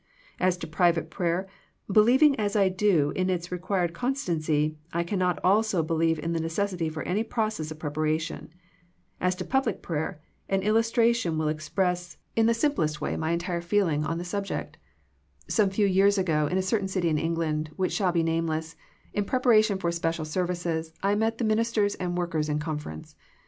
As to private prayer, believing as I do in its required constancy I can not also believe in the necessity for any process of preparation. As to public prayer, an illustra tion will express in the simplest way my entire 45 46 THE PEACTICE OF PEAYEE feeling on the subject. Some few years ago in a certain city in England, which shall be nameless, in preparation for special services I met the minis ters and workers in conference.